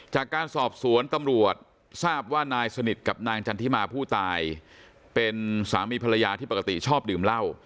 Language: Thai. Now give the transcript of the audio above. จากการสอบสวนตำรวจทราบว่านายสนิทกับนางจันทิมาผู้ตายเป็นสามีภรรยาที่ปกติชอบดื่มเหล้า